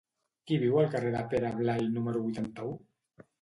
Qui viu al carrer de Pere Blai número vuitanta-u?